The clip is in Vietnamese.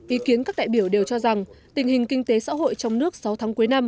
ý kiến các đại biểu đều cho rằng tình hình kinh tế xã hội trong nước sáu tháng cuối năm